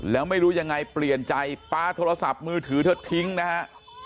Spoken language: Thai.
แล้วไม่รู้ยังไงเปลี่ยนใจปลาโทรศัพท์มือถือเธอทิ้งนะฮะ